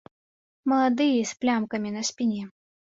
Маладыя з плямкамі на спіне.